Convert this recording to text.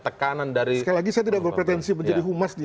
sekali lagi saya tidak berpretensi menjadi humas